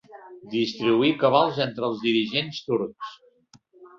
Distribuir cabals entre els dirigents turcs.